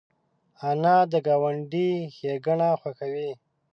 انا د ګاونډي ښېګڼه خوښوي